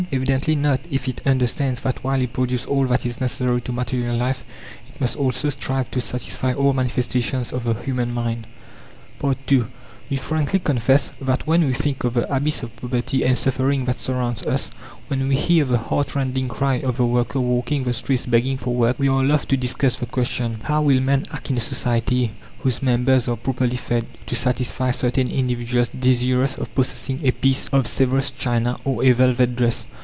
Evidently not, if it understands that while it produces all that is necessary to material life, it must also strive to satisfy all manifestations of the human mind. II We frankly confess that when we think of the abyss of poverty and suffering that surrounds us, when we hear the heartrending cry of the worker walking the streets begging for work, we are loth to discuss the question: How will men act in a society, whose members are properly fed, to satisfy certain individuals desirous of possessing a piece of Sèvres china or a velvet dress?